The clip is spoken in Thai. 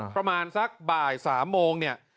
ประมาณสักบ่ายสามโมง